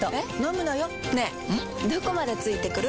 どこまで付いてくる？